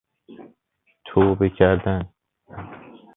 توبه کردن